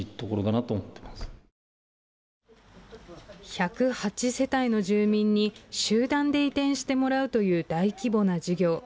１０８世帯の住民に集団で移転してもらうという大規模な事業。